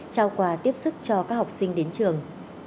trao quà tiếp sức cho các học sinh đến trường